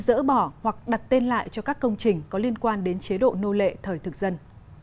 dỡ bỏ hoặc đặt tên lại cho các công trình có liên quan đến chế độ nô lệ thời thực dân